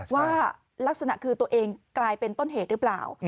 ว่าลักษณะคือตัวเองกลายเป็นต้นเหตุหรือเปล่า